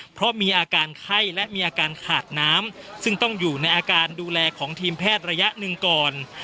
เพราะมีอาการไข้และมีอาการขาดน้ำซึ่งต้องอยู่ในอาการดูแลของทีมแพทย์ระยะหนึ่งก่อน